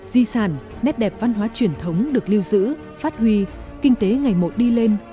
di sản nét đẹp văn hóa truyền thống được lưu giữ phát huy kinh tế ngày một đi lên